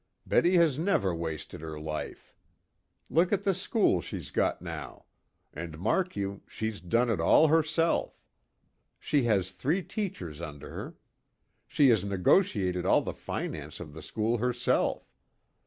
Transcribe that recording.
"Betty has never wasted her life. Look at the school she's got now. And, mark you, she's done it all herself. She has three teachers under her. She has negotiated all the finance of the school herself.